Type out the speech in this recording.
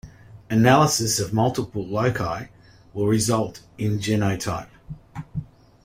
Analysis of multiple loci will result in a genotype.